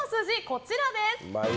こちらです。